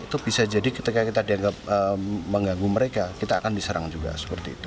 itu bisa jadi ketika kita dianggap mengganggu mereka kita akan diserang juga seperti itu